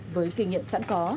với kinh nghiệm sẵn có